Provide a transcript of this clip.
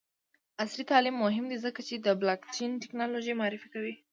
عصري تعلیم مهم دی ځکه چې د بلاکچین ټیکنالوژي معرفي کوي.